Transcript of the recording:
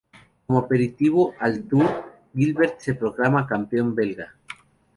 Como aperitivo al Tour, Gilbert se proclama campeón belga.